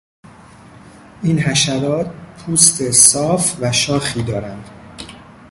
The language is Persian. این حشرات پوست صاف و شاخی دارند.